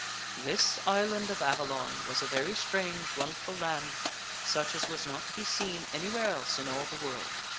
This island of Avalon was a very strange, wonderful land, such as was not to be seen anywhere else in all the world.